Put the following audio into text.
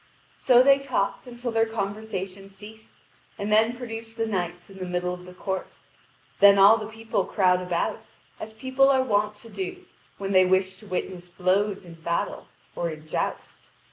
(Vv. 5991 6148.) So they talked until their conversation ceased, and then produced the knights in the middle of the court. Then all the people crowd about, as people are wont to do when they wish to witness blows in battle or in joust.